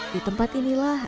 di tempat inilah